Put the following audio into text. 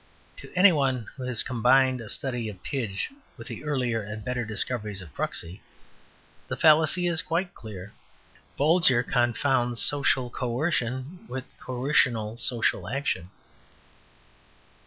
To any one who has combined a study of Pidge with the earlier and better discoveries of Kruxy, the fallacy is quite clear. Bolger confounds social coercion with coercional social action."